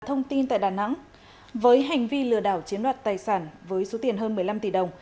thông tin tại đà nẵng với hành vi lừa đảo chiếm đoạt tài sản với số tiền hơn một mươi năm tỷ đồng